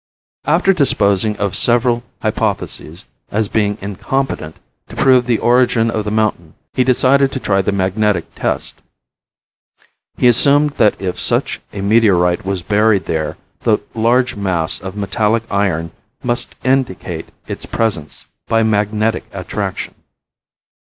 After disposing of several hypotheses as being incompetent to prove the origin of the mountain he decided to try the magnetic test. He assumed that if such a meteorite was buried there the large mass of metallic iron must indicate its presence by magnetic attraction.